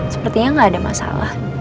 sepertinya nggak ada masalah